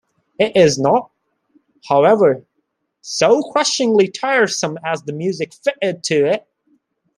It is not, however, so crushingly tiresome as the music fitted to it.